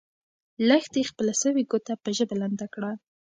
لښتې خپله سوې ګوته په ژبه لنده کړه.